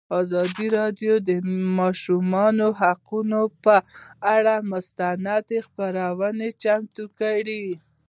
ازادي راډیو د د ماشومانو حقونه پر اړه مستند خپرونه چمتو کړې.